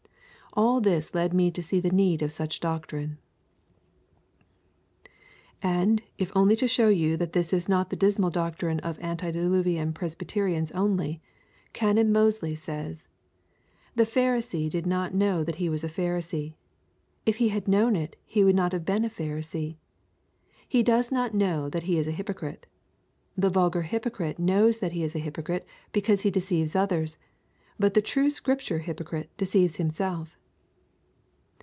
All this led me to see the need of such doctrine.' And if only to show you that this is not the dismal doctrine of antediluvian Presbyterians only, Canon Mozley says: 'The Pharisee did not know that he was a Pharisee; if he had known it he would not have been a Pharisee. He does not know that he is a hypocrite. The vulgar hypocrite knows that he is a hypocrite because he deceives others, but the true Scripture hypocrite deceives himself.'